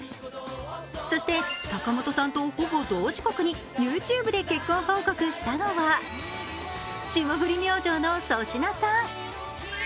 そして、坂本さんとほぼ同時刻にＹｏｕＴｕｂｅで結婚報告したのは霜降り明星の粗品さん。